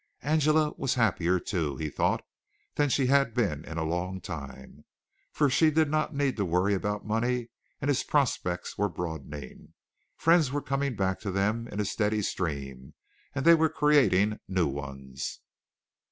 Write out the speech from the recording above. Angela was happier, too, he thought, than she had been in a long time, for she did not need to worry about money and his prospects were broadening. Friends were coming back to them in a steady stream, and they were creating new ones.